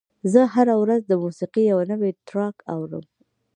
زه هره ورځ د موسیقۍ یو نوی ټراک اورم.